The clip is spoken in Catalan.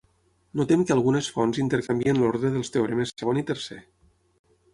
Notem que algunes fonts intercanvien l'ordre dels teoremes segon i tercer.